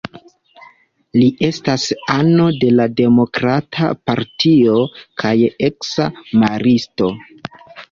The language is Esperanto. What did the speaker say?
Li estas ano de la Demokrata Partio kaj eksa maristo.